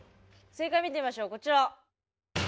正解見てみましょうこちら！